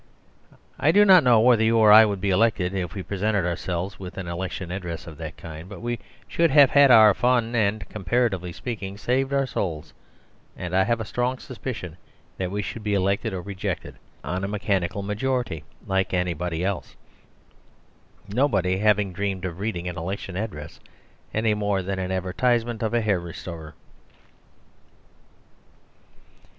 I do not know whether you or I would be elected if we presented ourselves with an election address of that kind; but we should have had our fun and (comparatively speaking) saved our souls; and I have a strong suspicion that we should be elected or rejected on a mechanical majority like anybody else; nobody having dreamed of reading an election address any more than an advertisement of a hair restorer.